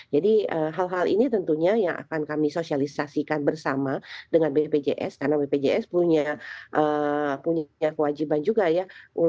jadi hal hal ini tentunya yang akan kami sosialisasikan bersama dengan bpjs karena bpjs punya kewajiban juga ya